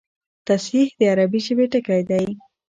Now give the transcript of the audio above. تصحیح د عربي ژبي ټکی دﺉ.